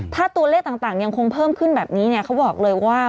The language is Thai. ถ้าตัวเลขต่างยังคงเพิ่มขึ้นแบบนี้เนี่ยเขาบอกเลยว่า